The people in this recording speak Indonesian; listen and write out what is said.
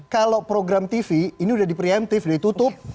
kalau program tv ini udah di preemptive udah ditutup